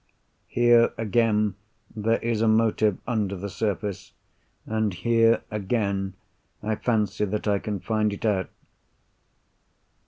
Here, again, there is a motive under the surface; and, here again, I fancy that I can find it out.